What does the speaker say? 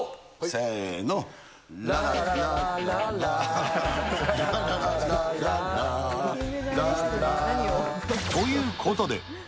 せーの。ということで。